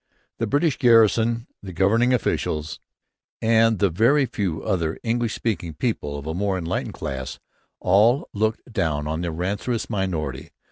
The British garrison, the governing officials, and the very few other English speaking people of a more enlightened class all looked down on the rancorous minority.